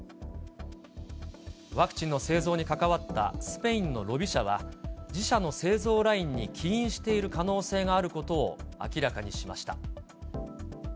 ワクチンの製造に関わったスペインのロビ社は、自社の製造ラインに起因している可能性があることを明らかにしました。